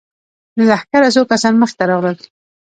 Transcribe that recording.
له لښکره څو کسان مخې ته راغلل.